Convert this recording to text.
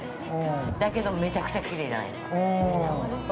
だけど、めちゃくちゃきれいじゃないですか。